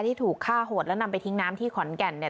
ที่ถูกฆ่าโหดแล้วนำไปทิ้งน้ำที่ขอนแก่นเนี่ย